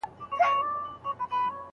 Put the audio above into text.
هغوی هیڅکله د هلک په اړه درواغ نه دي ویلي.